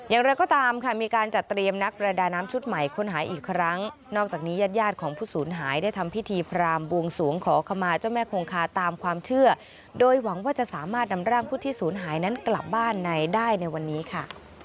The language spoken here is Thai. ยาดของผู้สูญหายได้ทำพิธีพรามบวงสูงขอขมาเจ้าแม่คงคาตามความเชื่อโดยหวังว่าจะสามารถนำร่างผู้ที่สูญหายนั้นกลับบ้านในได้ในวันนี้ค่ะ